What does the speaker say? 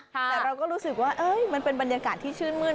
แต่เราก็รู้สึกว่ามันเป็นบรรยากาศที่ชื่นมื้น